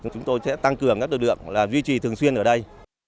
chúng tôi sẽ tăng cường các đội lượng duy trì thường xuyên ở đây